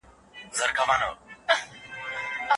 بوچانان او الیس دا پروسه د امکاناتو پرمختیا بولي.